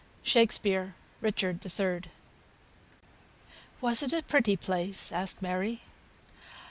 SHAKSPEARE, Richard III.] "Was it a pretty place?" asked Mary.